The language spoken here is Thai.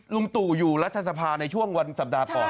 ลุงตู่อยู่รัฐสภาในช่วงวันสัปดาห์ก่อน